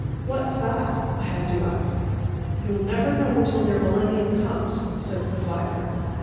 "What's that?" I had to ask. "You'll never know till their millennium comes," says the fiver.